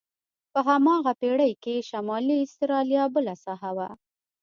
په هماغه پېړۍ کې شمالي استرالیا بله ساحه وه.